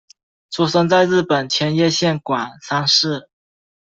出生在日本千叶县馆山市。